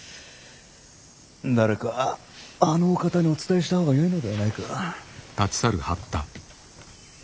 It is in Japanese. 誰かあのお方にお伝えした方がよいのではないか。